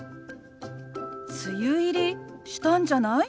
「梅雨入りしたんじゃない？」。